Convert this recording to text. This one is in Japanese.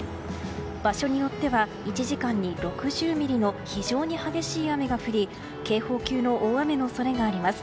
場所によっては１時間に６０ミリの非常に激しい雨が降り警報級の大雨の恐れがあります。